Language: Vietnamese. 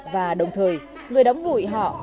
và đồng thời người đóng ngụy họ